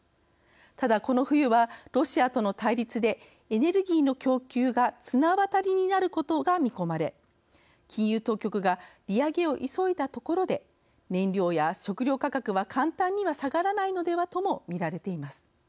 ただ、この冬はロシアとの対立でエネルギーの供給が綱渡りになることが見込まれ金融当局が利上げを急いだところで燃料や食料価格は簡単には下がらないのではとも見られています。